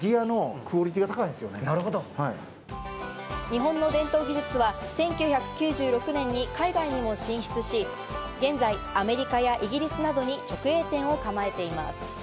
日本の伝統技術は１９９６年に海外にも進出し、現在、アメリカやイギリスなどに直営店を構えています。